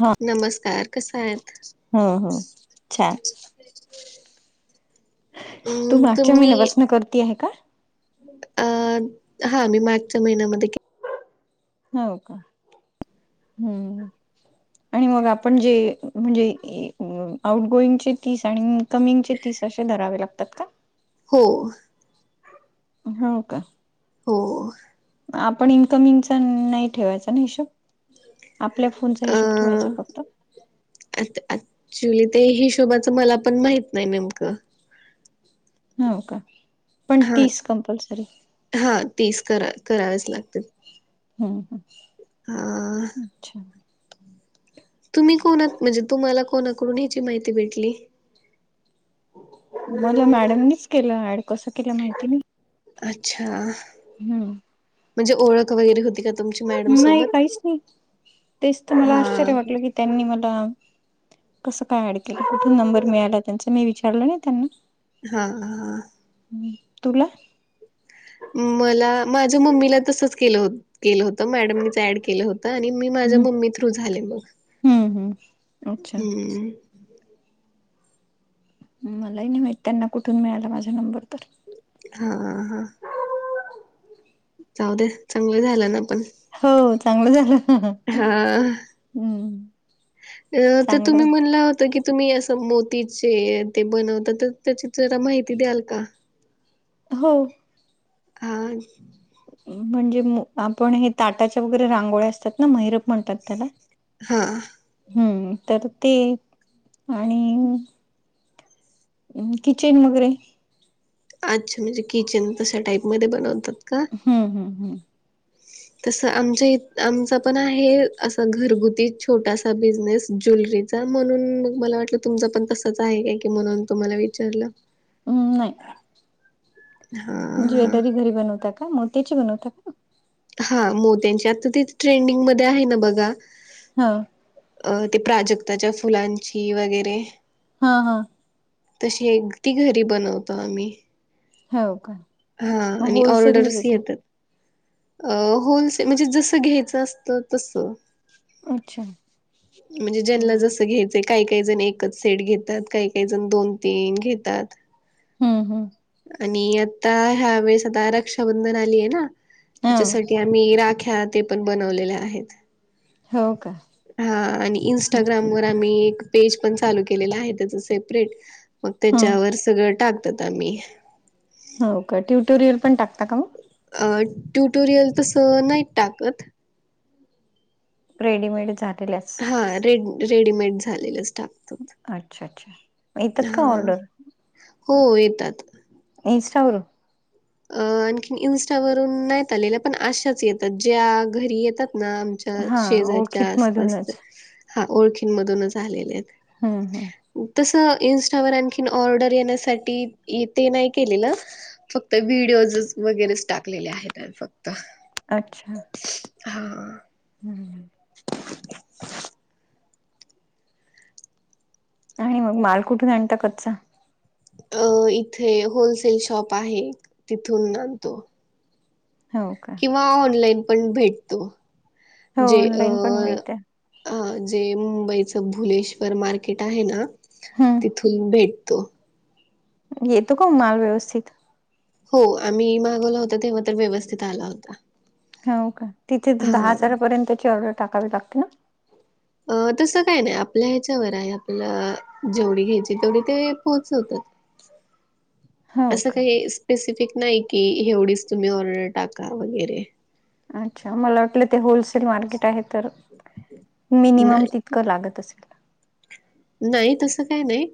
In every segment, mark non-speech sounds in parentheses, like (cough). हा नमस्कार, कसा आहेत? हो हो छान अम् तुम्ही- गर्दी आहे का? अ.. हा मी मार्चच्या महिन्यामध्ये के- हो का? हम्म. आणि मग आपण जे म्हणजे (unintelligible) आउट गोईंगचे तीस आणि- कमींगचे तीस, असे धरावे लागतात का? हो. हो का? हो. आपण इन्कमिंगचा नाही ठेवायचा ना हिशोब? आपल्या फोनचा हिशोब ठेवायचं फक्त. आत आत ऍक्च्युली ते हिशोबाच मला पण माहित नाही नेमकं. हो का? पण हा तीस कंपल्सरी. हा तीस करा करावेच लागतील. हम्म हम्म हा अच्छा. तुम्ही कोन आहात. म्हणजे तुम्हाला कोणाकडून ह्याची माहिती भेटली. मला मॅडमनीच केलं ऍड. कसं केलं माहिती नाही. अच्छा. हम्म. म्हणजे ओळख वगैरे होती का? तुमची मॅडम नाही सोबत काहीच नाही. तेच त मला हा आश्चर्य वाटलं की त्यांनी मला कसं काय ऍड केलं. कुठून नंबर मिळाला त्यांच. मी विचारलं नाही त्यांना. हा हा. हम्म तुला? मला माझ्या मम्मीला तसच केलं केलं होत. मॅडमनीच ऍड केलं होत. आणि मी माझ्या हम्म मम्मी थ्रू झाले मग. हम्म हम्म अच्छा हम्म. मलाही नाही माहित. त्यांना कुठून मिळाला माझा नंबर तर. हा हा. जाऊ द्या चांगलं झालं ना पण. हो चांगलं झालं. हा. हम्म अ ते चांगलं तुम्ही म्हणलं होता कि, तुम्ही असं मोतीचे ते बनवता तर, त्याची जरा माहिती द्याल का? हो. हा. म्हणजे म आपण हे ताटाच्या वगैरे रांगोळ्या असतात ना, मैरप म्हणतात त्याला. हा. हम्म तर ते आणि किचन वगैरे. अच्छा, म्हणजे किचन तशा टाईपमध्ये बनवतात का? हम्म हम्म हम्म. (inaudible) तसं आमच्या इ आमचा पण आहे. असं घरगुती छोटासा बिझनेस ज्वेलरी चा. म्हणून मग मला वाटलं तुमच पण तसंच आहे काय. म्हणून तुम्हाला विचारलं. अम्म नाही. हा ज्वेलरी घरी बनवता का? मोत्याची बनवता का? हा मोत्यांची. आता ते ट्रेंडिंगमध्ये आहे ना बघा. हा. अ ते प्राजक्ताच्या फुलांची वगैरे. हा हा. तशी एक ती घरी बनवतो आम्ही. हो का? हा मग आणि होलसेलनी ऑर्डर्स देता येतात. अ होलसे म्हणजे जसं घ्यायचं असतं तस. अच्छा. म्हणजे ज्यांना हम्म जसं घ्यायचंय. काही काही जण एकच सेट घेतात. काही काही जण दोन तीन घेतात. हम्म हम्म. आणि आता ह्या वेळेस आता रक्षाबंधन आलीय ना. हा त्याच्यासाठी ते आम्ही राख्या ते पण बनवलेल्या आहेत. हो का हा. आणि इन्स्टाग्राम वर- आम्ही एक पेज पण चालू केलेल आहे त्याच सेपरेट. मग हा त्याच्यावर सगळं टाकतो त आम्ही. हो का? तुम्ही ते रीलपण पण टाकता का मग? अं. ट्युटोरियल तसं नाहीत टाकत. रेडीमेड झालेलं (unintelligible) हां. रेड रेडीमेड झालेलं स्टाफ. अच्छा. अच्छा. येतात का हा ऑर्डर? हो. येतात. इनस्टावरर? अं. आणखीन इन्स्टावरून नाहीत आलेल्या. पण अशाच येतात. ज्या घरी येतात ना? हा शेजारच्या ओळखीत मधूनच आसपासच्या. हां. ओळखी मधूनच आलेल्यायत. हम्म. हम्. तस इन्स्टावर आणखीन ऑर्डर येण्यासाठी ये ते नाही केलेलं. तर व्हिडिओजच वगैरेच टाकलेले आहेत फक्त. अच्छा. हां. हम ह. आणि मग माल कुठून आणता कच्चा? अ. इथे होलसेल शॉप आहे. तिथून आणतो. हो का? किंवा ऑनलाईन पण भेटतो. हो जे ऑनलाईन पण अ- मिळते अ. जे मुंबईच भुलेश्वर मार्केट आहे ना? हम्म तिथून भेट- -तो. येतो का माल व्यवस्थित? हो. आम्ही मागवला होता तेव्हा तर व्यवस्थित आला होता. हो का? तिथे तर दहा हा. हजारापर्यंतची ऑर्डर टाकावी लागते ना? अ. तसं काय नाही. आपल्या ह्याच्यावर आहे आपलं- जेवढी घ्यायची तेवढी ते पोहोचवतात. हो असं का काही स्पेसिफिक नाही कि एवढीच तुम्ही ऑर्डर टाका वगैरे. अच्छा. मला वाटलं ते होलसेल मार्केट आहे तर मिनिमम नाही, त- -कं लागत असेल. नाही तसं काही नाही.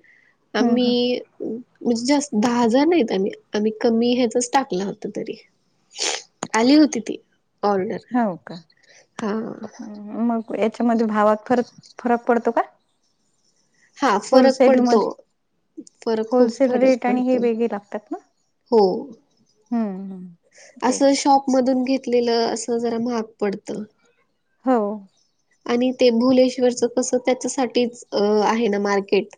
पण हम्म मी हम्म. - म्हणजे जास्त दहा हजार नाहीत. आम्ही आम्ही कमी ह्याचच टाकल होत तरी. आली होती ती ऑर्डर. हो का? हो. मग याच्यामध्ये भावात फर फरक पडतो का? हां. फरक होलसेल पडतो. मध्ये फरक खूप होलसेल फरक रेट आणि हे पडतो. वेगळे लागतात ना? हो. हम्म हम्म. अस तेच शॉप मधून घेतलेलं अस जरा महाग पडत. हो. आणि ते भुलेश्वरच कसं? त्याच्यासाठीच आहे ना मार्केट.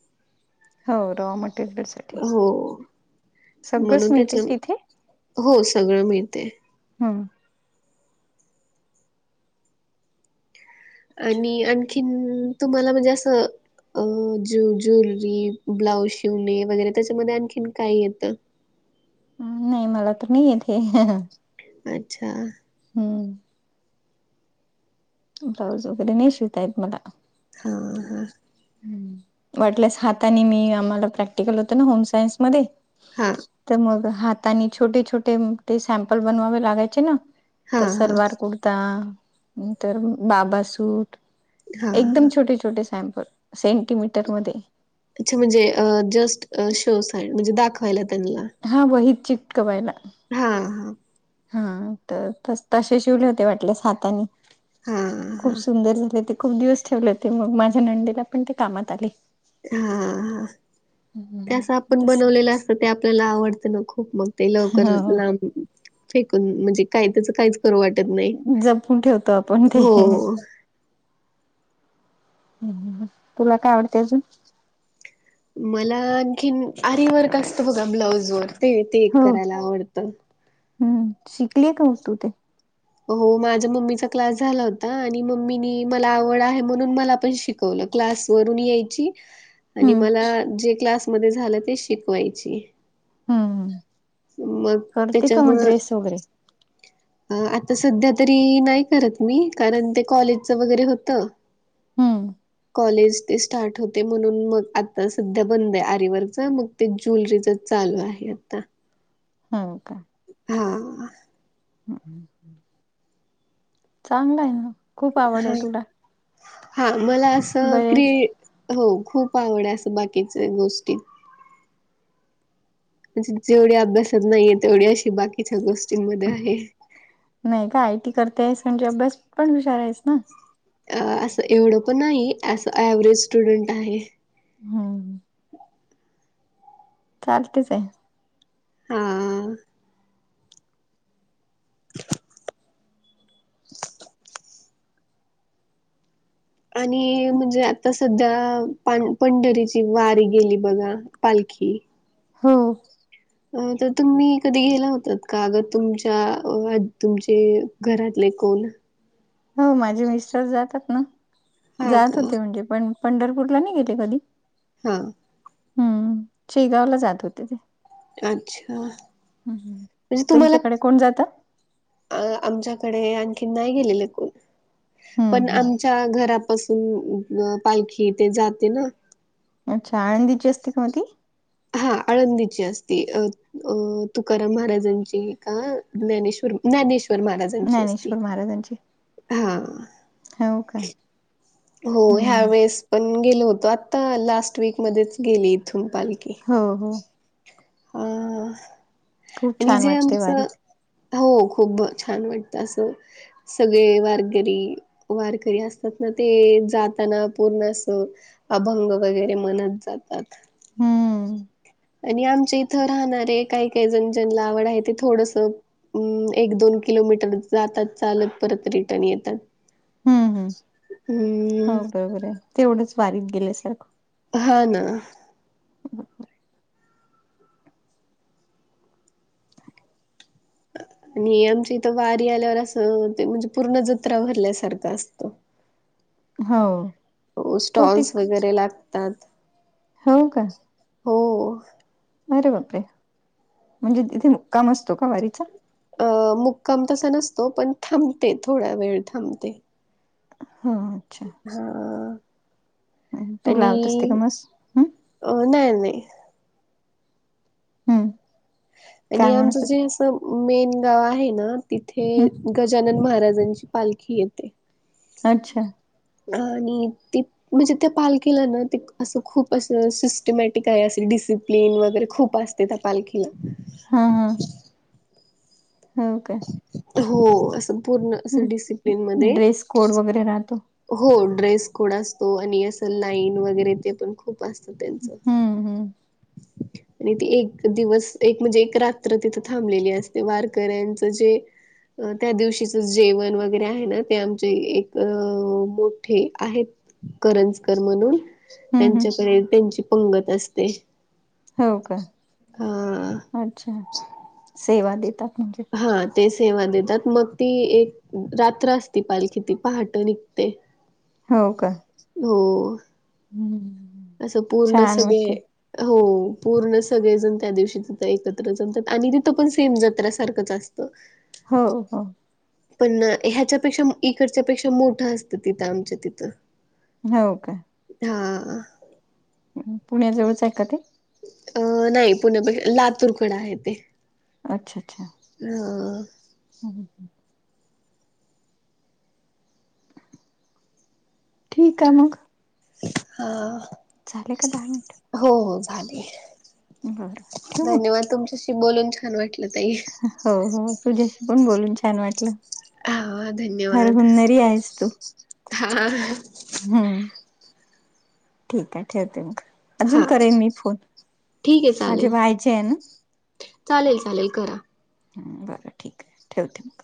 हो. रॉ मटेरियलसाठी. हो. म्हणून त्याच तिथे? हो सगळं मिळते. हम्म आणि आणखीन तुम्हाला म्हणजे अस अ ज ज्वुलरी ब्लाऊज शिवणे वगैरे त्याच्यामध्ये आणखीन काय येत? नाही मला तर नाही येत काही. अच्छा हम्म ब्लाऊज वगैरे नाही शिवता येत मला. हां हां वाटल्यास हाताने मी आम्हाला प्रक्टिकल होत ना होम सायन्स मध्ये. हा तर मग हातानी छोटे छोटे ते सॅम्पल बनवावे लागायचे ना तर हां, हां. सलवार कुर्ता नंतर बाबा सूट. हां, एकदम हां. छोटे छोटे सॅम्पल सेंटीमीटर मध्ये. अच्छा म्हणजे अ जस्ट शो साइड म्हणजे दाखवायला त्यांना. हा वहीत चिटकवायला. हा हां हा तर तस तसे शिवले होते वाटल्यास हातानी हां, खूप हां. सुंदर झाले ते. खूप दिवस ठेवले होते मग माझ्या नंदेला पण ते कामात आले. हा ते असं हम्म आपण तस बनवलेल असत ते आपल्याला आवडतना खूप मग. ते लवकर हो लांब फेकून म्हणजे काय त्याच काहीच करू वाटत नाही. जपून ठेवतो आपण ते हो. तुला काय आवडते अजून? मला आणखीन आरी वर्क असतं बघा ब्लाउज वर ते ते एक हो करायला आवडतं. हम्म शिकली का मग तू ते? हो माझ्या मम्मीचा क्लास झाला होता आणि मम्मीनी मला आवड आहे म्हणून मला पण शिक वलं क्लास वरून यायची. आणि हम्म मला जे क्लास मध्ये झाल ते शिकवायची. हम्म मग करते का मग त्याच्यामुळ ड्रेस वगैरे अ आता सध्या तरी नाही करत मी कारण ते कॉलेजच वगैरे होतं. हम्म कॉलेज ते स्टार्ट होते म्हणून मग आता सध्या बंद आहे आरीवर्क च मग ते जुलरीच चालू आहे आता. हां का. हां हम्म चांगलय मग. हा हां मला असं क्री बरेच हो खूप आवड आहे असं बाकीच गोष्टी. म्हणजे जेवढी अभ्यासात नाहीये तेवढी अशी बाकीच्या गोष्टींमध्ये आहे. नाही का आय टी करतेयस म्हणजे अभ्यास पण हुशार आहेस ना. अ असं एवढ पण नाही असं ऍव्हरेज स्टुडंट आहे हम्म चालतेच आहे. हां आणि म्हणजे आता सध्या पा पंढरीची वारी गेली बघा. पालखी. हो. अ तर तुम्ही कधी गेला होतात का ग. तुमच्या तुमचे घरातले कोण? हो माझे मिस्टर जातात ना. हा जात का होते म्हणजे. पण पंढरपूरला नाही गेले कधी. ह. हम्म. शेगावला जात होते ते. अच्छा. ह म्हणजे तुम्हाला तुमच्याकडे कोण जातं? आमच्याकडे आणखीन नाही गेलेले कोण. हम्म पण हम् आमच्या घरा पासून अ पालखी ते जाते ना. अच्छा आळंदीची असते का म ती? हा आळंदीची असती. अ तुकाराम महाराजांची का ज्ञानेश्वर ज्ञानेश्वर महाराजांची असती. ज्ञानेश्वर हा. होव का? हो ह्या हम्म वेळेस पण गेलो होतो. आता लास्ट वीक मध्येच गेली इथून पालखी. हो हो. हा खूप आणि छान जे वाटते आमचं वारी हो खूप छान वाटतं असं. सगळे वारकिरी वारकरी असतात ना ते जाताना पूर्ण अस अभंग वगैरे म्हणत जातात. हम्म. आणि आमच्या इथं राहणारे. काही काही जण ज्यांना आवड आहे. ते थोडस अम्म एक दोन किलोमीटर जातात चालत. परत रिटर्न येतात. हम्म हम्म. हम्म हो बरोबरे. तेवढंच वारीत गेल्यासारखं. हा ना. आणि आमच्या इथं वारी आल्यावर असं ते म्हणजे पूर्ण जत्रा भरल्यासारखं असतं. (inaudible) स्टॉल्स बहुतेक वगैरे लागतात. हो का? हो. अरे बापरे. म्हणजे तिथे मुक्काम असतो का वारीचा? अ मुक्काम तसा नसतो. पण थांबते. थोडा वेळ थांबते. ह अच्छा. हा. तू आणि लावत असते का मस हं अ नाही नाही. हं आणि काय म्हणत आमचं होती? जे असं मेन गाव आहे ना? हं तिथे गजानन महाराजांची पालखी येते. अच्छा. आणि ति म्हणजे त्या पालखीला ना, ते असं खूप असं सिस्टमॅटिक आहे. अस डिसिप्लिन वगैरे खूप अस तेथ पालखीला. ह ह. हो का? हो असं पूर्ण असं हं. डिसिप्लिन मध्ये. ड्रेस कोड वगैरे राहतो. हो ड्रेस कोड असतो. आणि असं लाईन वगैरे ते पण खू खूप असत त्यांचं. हम्म हम्म आणि ती एक दिवस एक म्हणजे एक रात्र तिथ थांबलेली असते वारकऱ्यांच तर जे अ त्या दिवशीच जेवण वगैरे आहे ना ते आमचे एक अ मोठे आहेत. करंजकर म्हणून हम्म हम्म त्यांच्याकडे त्यांची पंगत असते हो का हा अच्छा सेवा देतात म्हणजे हा. ते सेवा देतात मग ती एक रात्र असती पालखी ती पहाटे निघते. हो का. हो. हम्म. असं पूर्ण छान सगळे वाटते हो पूर्ण सगळेजण त्या दिवशी तिथं एकत्र जमतात आणि तिथं पण सेम जत्र सारखंच असतं. ह. हो हो. पण ह्याच्यापेक्षा इकडच्या पेक्षा मोठं असतं तिथं आमच्या तिथं हो का. हा. पुण्याजवळच आहे का ते अं नाही पुण्यापेक्षा लातूरकड आहे ते अच्छा अच्छा अ ठीक आहे मग हा. झाले काया दहा मिनिट. हो हो झाले बरं ठेवू मग धन्यवाद तुमच्या बोलून छान वाटल ताई. हो हो तूझ्याशी पण बोलून छान वाटलं हा हर धन्यवाद हुन्नरी आहेस तू. हा. हम्म ठीक आहे ठेवते मग. अजून हा करेन मी फोन ठीक आहे माझे चालेल व्हायचे आहे ना. चालेल चालेल करा. बरं ठीक आहे ठेवते मग.